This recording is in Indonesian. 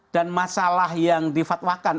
dan masalah yang difatwakan